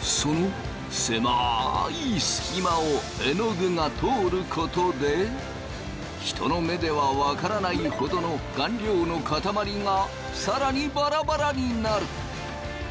その狭い隙間をえのぐが通ることで人の目では分からないほどの顔料のかたまりが更にバラバラになる。